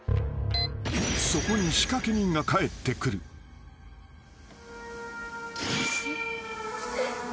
［そこに仕掛け人が帰ってくる］えっ？